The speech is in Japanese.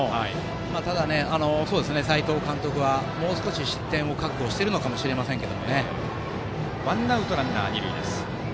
ただ、斎藤監督はもう少し失点を覚悟しているのかもしれませんが。